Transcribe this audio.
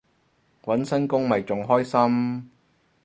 搵新工咪仲開心